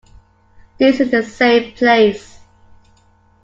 This is a safe place.